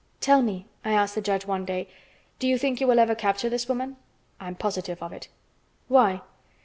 "Tell me," I asked the judge one day, "do you think you will ever capture this woman?" "I'm positive of it." "Why?"